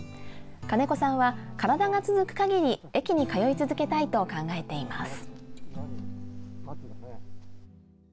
金子さんは、体が続く限り駅に通い続けたいと考えています。